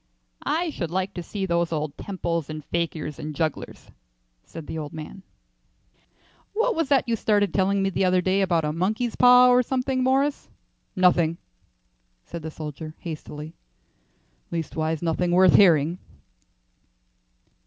"I should like to see those old temples and fakirs and jugglers," said the old man. "What was that you started telling me the other day about a monkey's paw or something, Morris?" "Nothing," said the soldier, hastily. "Leastways nothing worth hearing."